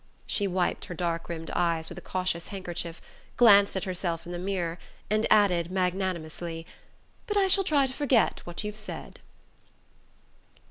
She wiped her dark rimmed eyes with a cautious handkerchief, glanced at herself in the mirror, and added magnanimously: "But I shall try to forget what you've said."